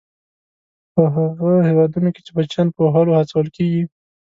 په هغو هېوادونو کې چې بچیان په وهلو هڅول کیږي.